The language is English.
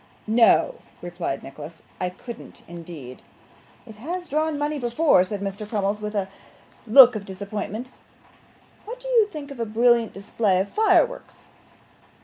'No,' replied Nicholas, 'I couldn't indeed.' 'It has drawn money before now,' said Mr. Crummles, with a look of disappointment. 'What do you think of a brilliant display of fireworks?